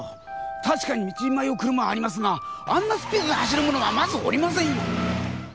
確かに道に迷う車はありますがあんなスピードで走る者はまずおりませんよ。